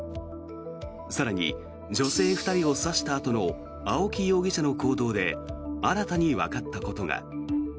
更に女性２人を刺したあとの青木容疑者の行動で新たにわかったことが。